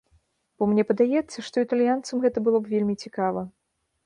Бо мне падаецца, што італьянцам гэта было б вельмі цікава.